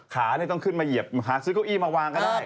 ขาต้องขึ้นมาเหยียบหาซื้อเก้าอี้มาวางก็ได้